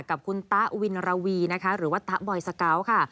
กับคุณตะวินระวีนะคะหรือว่าตะบอยสเกาะค่ะ